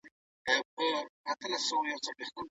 زېرمې د پخوا په پرتله زياتي سوي دي.